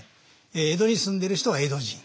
江戸に住んでいる人は江戸人